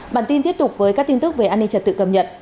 bản tin tiếp tục với các tin tức về an ninh trật tự cầm nhận